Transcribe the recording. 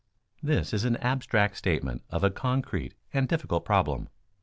_ This is an abstract statement of a concrete and difficult problem.